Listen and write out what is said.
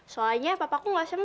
soalnya papaku gak selesai